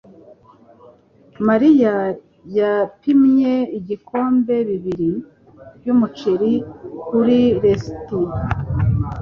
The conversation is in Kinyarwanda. Mariya yapimye ibikombe bibiri byumuceri kuri resept.